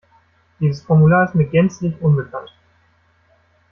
Dieses Formular ist mir gänzlich unbekannt.